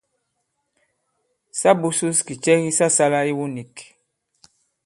Sa būsūs kì cɛ ki sa sālā iwu nīk.